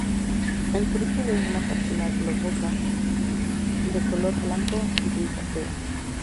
El fruto es una cápsula globosa de color blanco-grisáceo.